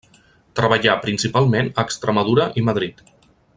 Treballà principalment a Extremadura i Madrid.